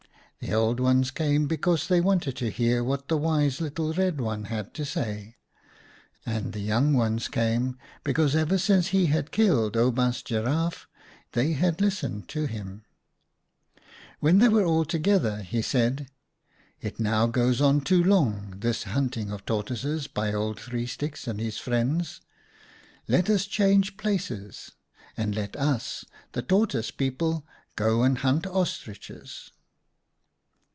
The Old Ones came because they wanted to hear what the wise little Red One had to say, and the Young Ones came be cause ever since he had killed Oubaas Giraffe 142 OUTA KAREL'S STORIES they had listened to him. When they were all together he said, ' It now goes on too long, this hunting of the Tortoises by Old Three Sticks and his friends. Let us change places and let us, the Tortoise people, go and hunt Ostriches.'